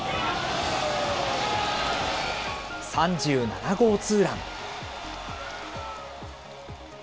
３７号ツーラン。